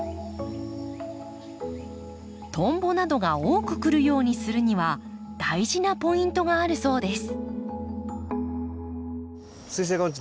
トンボなどが多く来るようにするには大事なポイントがあるそうです。